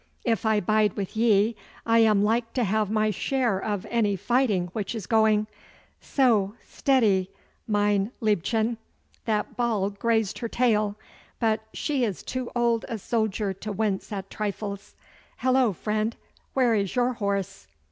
'If I bide with ye I am like to have my share of any fighting which is going. So, steady, mein Liebchen. That ball grazed her tail, but she is too old a soldier to wince at trifles. Hullo, friend, where is your horse?